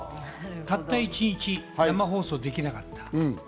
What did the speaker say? たった１日生放送できなかった。